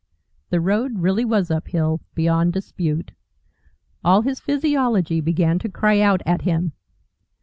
The road really was uphill beyond dispute. All his physiology began to cry out at him.